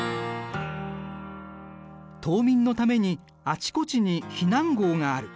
島民のためにあちこちに避難壕がある。